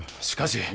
しかし。